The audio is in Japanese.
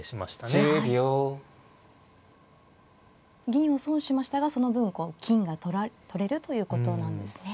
銀を損しましたがその分金が取れるということなんですね。